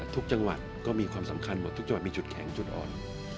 ทุกจังหวัดก็มีความสำคัญหมดทุกจังหวัดมีจุดแข็งจุดอ่อน